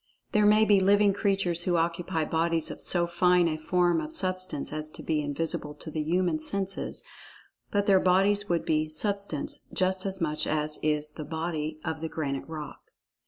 There may be living creatures who occupy bodies of so fine a form of Substance as to be invisible to the human senses—but their bodies would be "Substance" just as much as is the "body" of the granite rock.